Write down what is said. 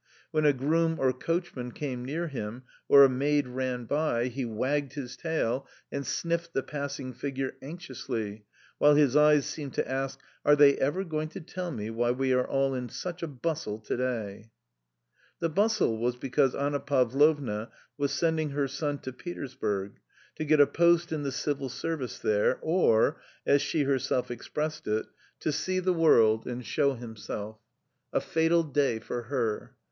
When a groom or coach man came near him or a maid ran by, he wagged his tail and sniffed the passing figure anxiously, while his eyes seemed to ask :" Are they ever going to tell me why we are all in such a bustle to day ?" T he bustle was because Anna Pa vlovn a was sending her son to Petersburg to get a post In the Civil Service there, v or, as "she herself expressed it, to see the world and show A 2 A COMMON STORY himself. A fatal day for her